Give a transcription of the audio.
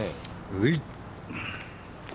はい。